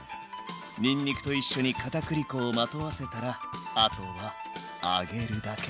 にんにくと一緒に片栗粉をまとわせたらあとは揚げるだけ。